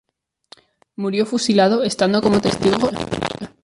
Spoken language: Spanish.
Murió fusilado estando como testigo el Gral.